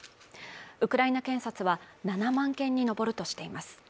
ウクライナ検察は７万件に上るとしています。